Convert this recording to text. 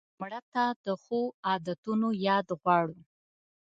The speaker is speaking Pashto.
مړه ته د ښو عادتونو یاد غواړو